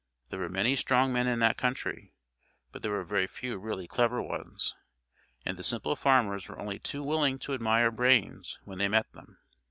There were many strong men in that country, but there were few really clever ones, and the simple farmers were only too willing to admire brains when they met them.